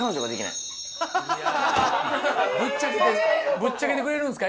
ぶっちゃけてくれるんすか？